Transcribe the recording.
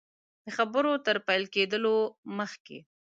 د خبرو تر پیل کېدلو مخکي.